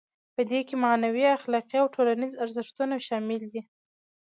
په دې کې معنوي، اخلاقي او ټولنیز ارزښتونه شامل دي.